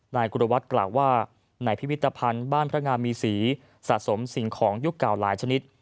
นายกุรวัตรกล่าวว่าในพิพิธภัณฑ์บ้านพระงามมีศรีสะสมสิ่งของยุคเก่าหลายชนิด